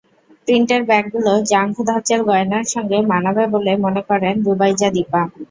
প্রিন্টের ব্যাগগুলো জাঙ্ক ধাঁচের গয়নার সঙ্গে মানাবে বলে মনে করেন রুবাইজা দীপা।